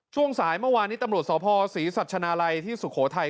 ช่วงสายเมื่อวานนี้ตำรวจสพศรีสัชนาลัยที่สุโขทัย